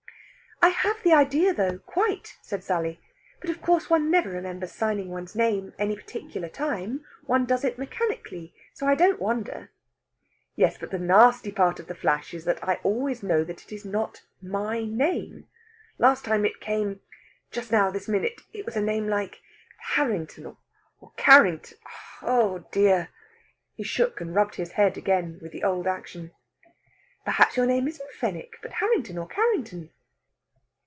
"I have the idea, though, quite!" said Sally. "But of course one never remembers signing one's name, any particular time. One does it mechanically. So I don't wonder." "Yes! But the nasty part of the flash is that I always know that it is not my name. Last time it came just now this minute it was a name like Harrington or Carrington. Oh dear!" He shook and rubbed his head again, with the old action. "Perhaps your name isn't Fenwick, but Harrington or Carrington?"